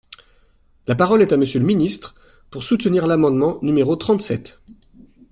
La parole est à Monsieur le ministre, pour soutenir l’amendement numéro trente-sept.